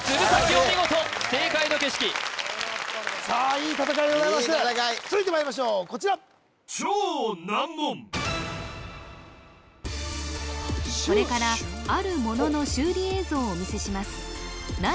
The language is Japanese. お見事正解の景色さあいい戦いでございますいい戦い続いてまいりましょうこちらこれからあるものの修理映像をお見せします